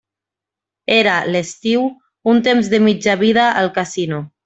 Era, l'estiu, un temps de mitja vida al casino.